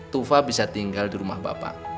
tufa bisa tinggal di rumah bapak